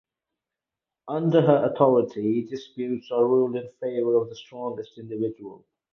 Under her authority, disputes are ruled in favor of the strongest individual.